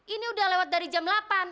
ini udah lewat dari jam delapan